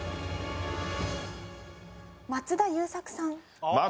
松田優作さん